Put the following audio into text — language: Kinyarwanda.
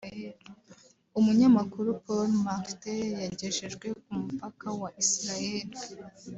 umunyamakuru Paul Martin yagejejwe ku mupaka wa Israël